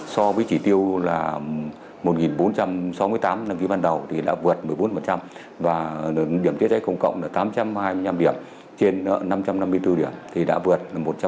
so với chỉ tiêu là một bốn trăm sáu mươi tám năm ký ban đầu thì đã vượt một mươi bốn và điểm chữa cháy công cộng là tám trăm hai mươi năm điểm trên năm trăm năm mươi bốn điểm thì đã vượt một trăm bốn mươi tám chín